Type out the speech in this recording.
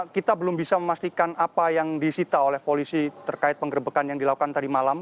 kita belum bisa memastikan apa yang disita oleh polisi terkait penggerbekan yang dilakukan tadi malam